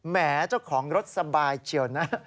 แหมเจ้าของรถสบายเฉียวนะ